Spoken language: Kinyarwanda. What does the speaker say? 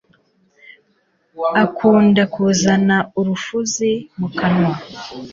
akunda kuzana urufuzi mukanwa